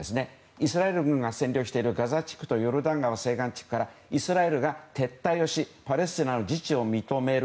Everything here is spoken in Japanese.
イスラエル軍が占領しているガザ地区とヨルダン川西岸地区からイスラエルが撤退しパレスチナの自治を認める。